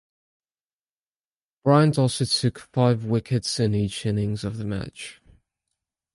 Bryant also took five wickets in each innings of the match.